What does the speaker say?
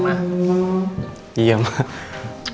maafin aku ya kemarin